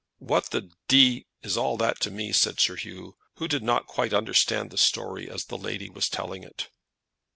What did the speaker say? "What the d is all that to me?" said Sir Hugh, who did not quite understand the story as the lady was telling it.